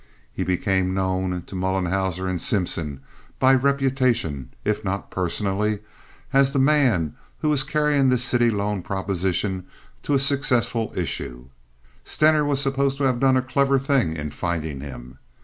He became known to Mollenhauer and Simpson, by reputation, if not personally, as the man who was carrying this city loan proposition to a successful issue. Stener was supposed to have done a clever thing in finding him.